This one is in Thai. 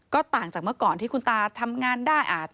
ก็ต่างจากเมื่อก่อนที่คุณตาทำงานได้